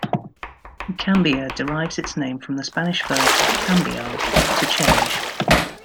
Cambia derives its name from the Spanish verb "cambiar", to change.